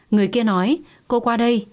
người kia nói cô qua đây